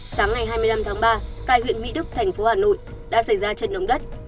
sáng ngày hai mươi năm tháng ba tại huyện mỹ đức thành phố hà nội đã xảy ra trận động đất